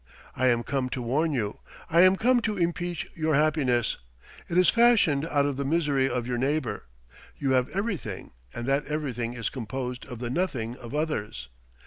I am come to warn you. I am come to impeach your happiness. It is fashioned out of the misery of your neighbour. You have everything, and that everything is composed of the nothing of others.